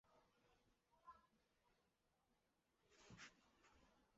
广东绣球为绣球花科绣球属下的一个种。